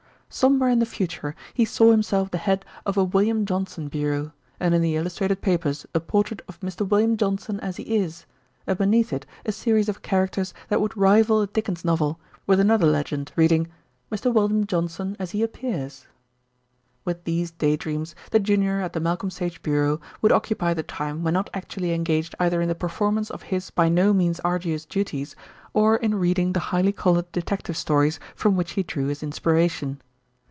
Somewhere in the future he saw himself the head of a "William Johnson Bureau," and in the illustrated papers a portrait of "Mr. William Johnson as he is," and beneath it a series of characters that would rival a Dickens novel, with another legend reading, "Mr. William Johnson as he appears." With these day dreams, the junior at the Malcolm Sage Bureau would occupy the time when not actually engaged either in the performance of his by no means arduous duties, or in reading the highly coloured detective stories from which he drew his inspiration.